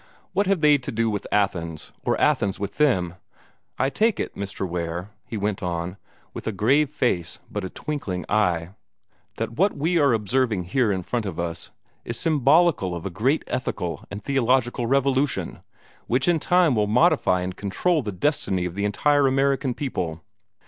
What have they to do with Athens, or Athens with them? I take it, Mr. Ware," he went on, with a grave face but a twinkling eye, "that what we are observing here in front of us is symbolical of a great ethical and theological revolution, which in time will modify and control the destiny of the entire American people.